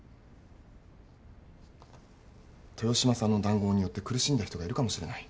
豊島さんの談合によって苦しんだ人がいるかもしれない。